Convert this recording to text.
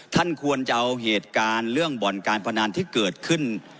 ท่านควรจะเอาเหตุการณ์เรื่องบ่อนการพนันที่เกิดขึ้น